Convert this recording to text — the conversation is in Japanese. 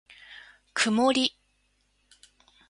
くもり